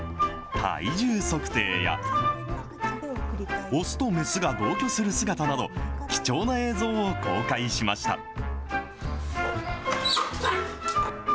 体重測定や、雄と雌が同居する姿など、貴重な映像を公開しました。